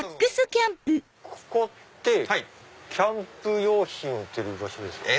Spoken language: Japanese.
ここってキャンプ用品売ってる場所ですか？